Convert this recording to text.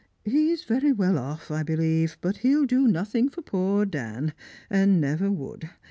He's very well off, I believe, but he'll do nothing for poor Dan, and never would.